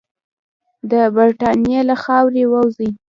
چې د برټانیې له خاورې ووځي.